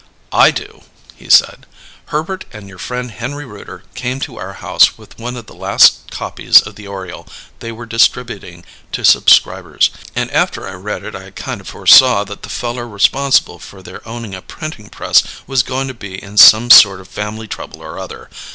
"I do," he said. "Herbert and your friend Henry Rooter came to our house with one of the last copies of the Oriole they were distributing to subscribers; and after I read it I kind of foresaw that the feller responsible for their owning a printing press was going to be in some sort of family trouble or other.